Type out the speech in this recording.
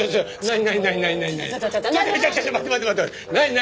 何？